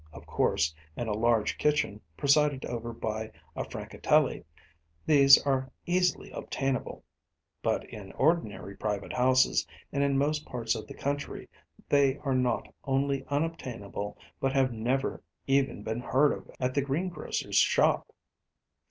Of course, in a large kitchen, presided over by a Francatelli, these are easily obtainable; but in ordinary private houses, and in most parts of the country, they are not only unobtainable but have never even been heard of at the greengrocer's shop.